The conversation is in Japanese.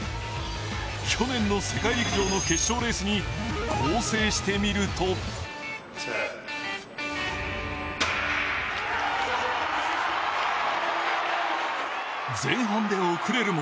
去年の世界陸上の決勝レースに合成してみると前半で遅れるも